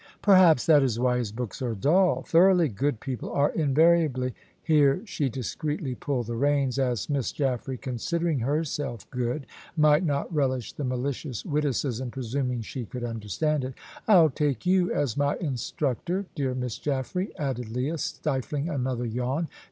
"Perhaps that is why his books are dull. Thoroughly good people are invariably " Here she discreetly pulled the reins, as Miss Jaffray, considering herself good, might not relish the malicious witticism, presuming she could understand it. "I'll take you as my instructor, dear Miss Jaffray," added Leah, stifling another yawn.